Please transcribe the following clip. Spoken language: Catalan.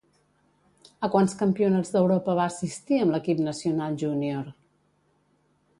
A quants Campionats d'Europa va assistir amb l'equip nacional júnior?